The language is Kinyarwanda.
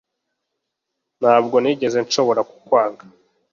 Ntabwo nigeze nshobora kukwanga